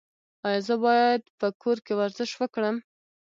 ایا زه باید په کور کې ورزش وکړم؟